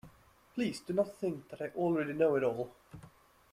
Please do not think that I already know it all.